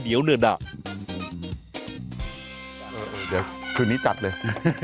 เดี๋ยวคืนนี้จัดเลย